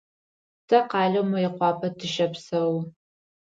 Тэ къалэу Мыекъуапэ тыщэпсэу.